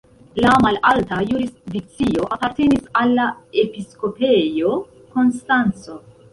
La malalta jurisdikcio apartenis al la Episkopejo Konstanco.